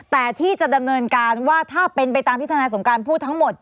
แต่ที่จะดำเนินการว่าถ้าเป็นไปตามที่ทนายสงการพูดทั้งหมด